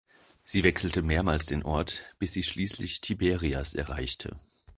Sie wechselte mehrmals den Ort, bis sie schließlich Tiberias erreichte.